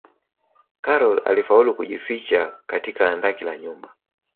karol alifaulu kujificha katika andaki la nyumba